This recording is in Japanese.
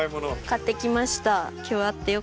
買ってきました。